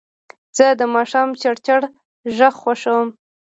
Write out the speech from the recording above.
زه د ماښام چړچړ غږ خوښوم.